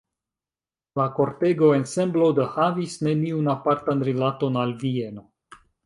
La kortego-ensemblo do havis neniun apartan rilaton al Vieno.